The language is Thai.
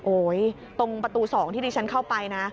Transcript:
ตรงประตู๒ที่ดิฉันเข้าไปนะ